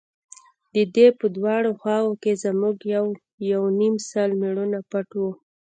د درې په دواړو خواوو کښې زموږ يو يونيم سل مېړونه پټ وو.